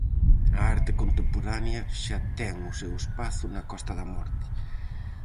A arte contemporánea xa ten o seu espazo na Costa da Morte.